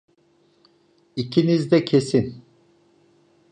İkiniz de kesin.